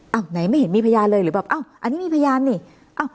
อ่ะเอ้าไหนไม่เห็นมีพยานเลยหรือแบบเอ้าอันนี้มีพยานนี่เอ้า